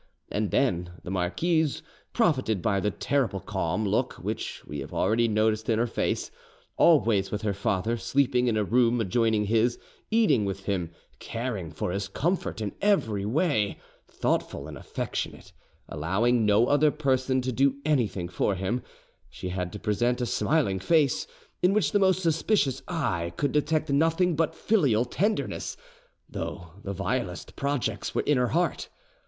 And then the marquise profited by the terrible calm look which we have already noticed in her face: always with her father, sleeping in a room adjoining his, eating with him, caring for his comfort in every way, thoughtful and affectionate, allowing no other person to do anything for him, she had to present a smiling face, in which the most suspicious eye could detect nothing but filial tenderness, though the vilest projects were in her heart.